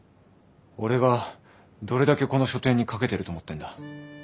俺がどれだけこの書展にかけてると思ってんだ。